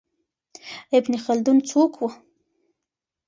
ابن خلدون څوک و؟